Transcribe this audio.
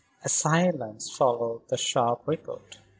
A silence followed the sharp report.